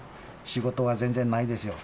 仕事は全然ないですよ。